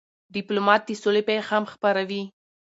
ډيپلومات د سولې پیغام خپروي.